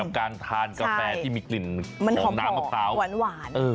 กับการทานกาแฟที่มีกลิ่นของน้ำมะพร้าวมันขอบพอหวานหวานเออ